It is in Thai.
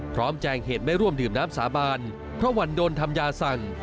แจ้งเหตุไม่ร่วมดื่มน้ำสาบานเพราะวันโดนทำยาสั่ง